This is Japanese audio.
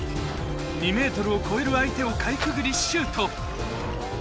２ｍを超える相手をかいくぐりシュート